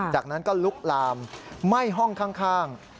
จากนั้นก็ลุกลามไหม้ห้องข้าง